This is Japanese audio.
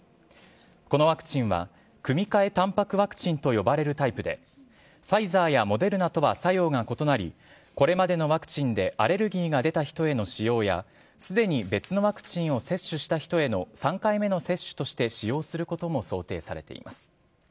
このワクチンは、組み換えたんぱくワクチンと呼ばれるタイプで、ファイザーやモデルナとは作用が異なり、これまでのワクチンでアレルギーが出た人への使用や、すでに別のワクチンを接種した人への３回目の接種として使用することも想定されています。